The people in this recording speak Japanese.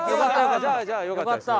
じゃあじゃあよかったです。